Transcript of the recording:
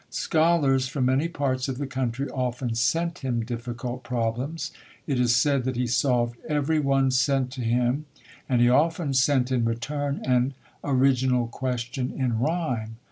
Scholars from many parts of the country often sent him difficult problems. It is said that he solved every one sent to him and he often sent in return an original question in rhyme.